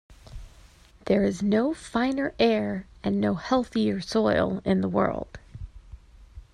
There is no finer air and no healthier soil in the world